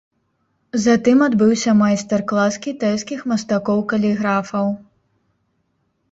Затым адбыўся майстар-клас кітайскіх мастакоў-каліграфаў.